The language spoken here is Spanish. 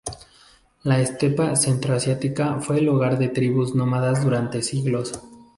La estepa centro-asiática fue el hogar de tribus nómadas durante siglos.